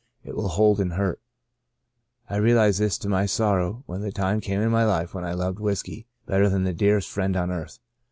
It will hold and hurt. I realized this to my sorrow when the time came in my Hfe when I loved whiskey better than the dearest friend on earth.